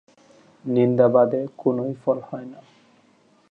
নিন্দাবাদে কোনই ফল হয় না।